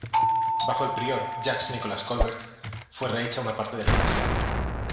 Bajo el prior Jacques Nicolas Colbert fue rehecha una parte de la iglesia.